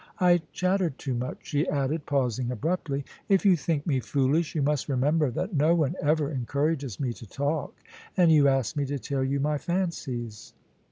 I chatter too much,' she added, pausing abruptly. *If you think me foolish you must remember that no one ever encourages me to talk, and you asked me to tell you my fancies.'